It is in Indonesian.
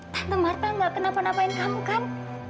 tante marta gak kenapa napain kamu kan